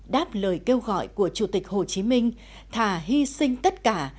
đáp lời kêu gọi của chủ tịch hồ chí minh thà hy sinh tất cả